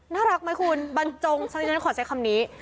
น่ารักไหมคุณบรรจงเพราะฉะนั้นขอใช้คำนี้